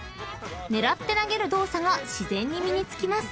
［狙って投げる動作が自然に身に付きます］